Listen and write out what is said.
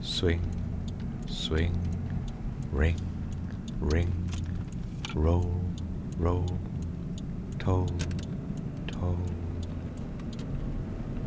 Swing swing Ring ring Roll roll Toll toll.